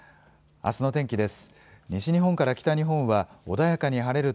あすの天気です。